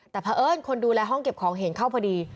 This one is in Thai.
แต่เพราะเอิญคนดูแลห้องเก็บของเห็นเข้าพอดี